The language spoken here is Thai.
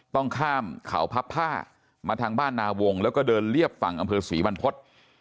ต้องข้ามเขาพับผ้ามาทางบ้านนาวงแล้วก็เดินเรียบฝั่งอำเภอศรีบรรพฤษ